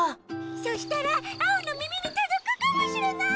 そしたらアオのみみにとどくかもしれない！